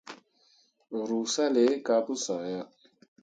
Ruu salle kah pu sã ah.